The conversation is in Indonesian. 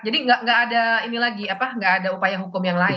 jadi gak ada ini lagi apa gak ada upaya hukum yang lain